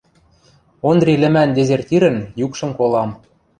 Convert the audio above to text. — Ондри лӹмӓн дезертирӹн юкшым колам